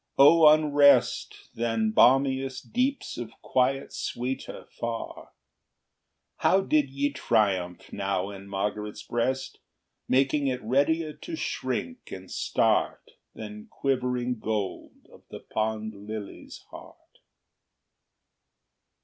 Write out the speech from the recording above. O unrest Than balmiest deeps of quiet sweeter far! How did ye triumph now in Margaret's breast, Making it readier to shrink and start Than quivering gold of the pond lily's heart.